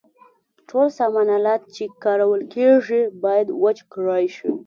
ټول سامان آلات چې کارول کیږي باید وچ کړای شي.